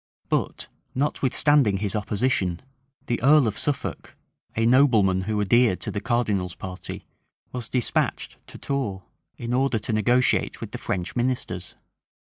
But, notwithstanding his opposition, the earl of Suffolk, a nobleman who adhered to the cardinal's party, was despatched to Tours, in order to negotiate with the French ministers.